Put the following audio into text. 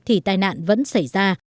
thì tai nạn vẫn xảy ra